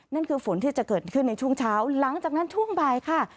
นั่นคือฝนที่จะเกิดขึ้นในช่วงเช้าหลังจากนั้นช่วงบ่ายค่ะ